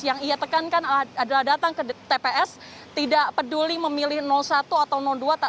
yang ia tekankan adalah datang ke tps tidak peduli memilih satu atau dua